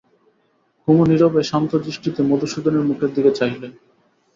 কুমু নীরবে শান্ত দৃষ্টিতে মধুসূদনের মুখের দিকে চাইলে।